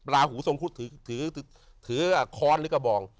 ลาหูทรงคุดถือค้อนหรือกระบอง